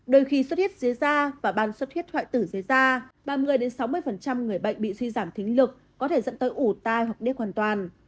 đôi khi suốt huyết dưới da và bàn suốt huyết hoại tử dưới da ba mươi sáu mươi người bệnh bị suy giảm thính lực có thể dẫn tới ủ tai hoặc đế hoàn toàn